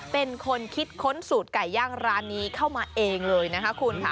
เป็นคนคิดค้นสูตรไก่ย่างร้านนี้เข้ามาเองเลยนะคะคุณค่ะ